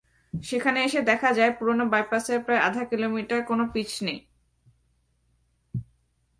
সেখানে এসে দেখা যায়, পুরোনো বাইপাসের প্রায় আধা কিলোমিটারে কোনো পিচ নেই।